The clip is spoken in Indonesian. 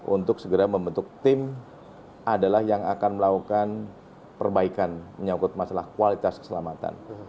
untuk segera membentuk tim adalah yang akan melakukan perbaikan menyangkut masalah kualitas keselamatan